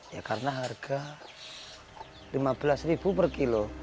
ya karena harga rp lima belas per kilo